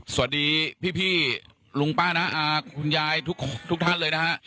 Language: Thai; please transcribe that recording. สวัสดีพี่ลุงป้าน้าอาคุณยายทุกท่านเลยนะฮะ